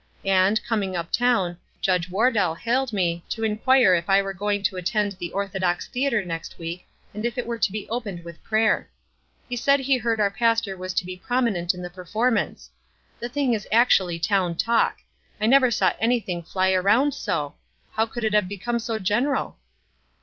And, coming up town, Judge Wardell hailed me to inquire if I were going to attend the orthodox theater next w T eek, and if it were to be opened with prayer. He said he heard our pastor was to be prominent in the performance. The thing is actually town talk. I never saw anything fly around so. How could it have become so gen eral?"